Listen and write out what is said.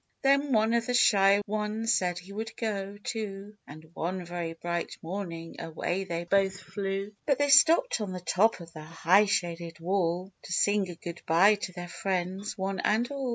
Then one of the shy ones said he would go, too, And one very bright morning away they both flew ; But they stopped on the top of the high shaded wall, To sing a good bye to their friends, one and all.